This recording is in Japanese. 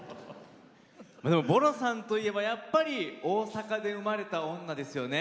ＢＯＲＯさんといえばやっぱり「大阪で生まれた女」ですよね。